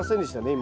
今。